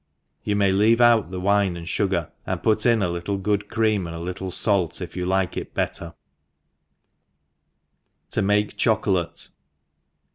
You may leave out the wine and fugar, and put in a little good cream and a little fal(, if you like it betterr To make CnocotATE.